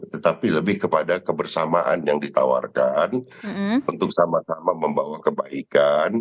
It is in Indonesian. tetapi lebih kepada kebersamaan yang ditawarkan untuk sama sama membawa kebaikan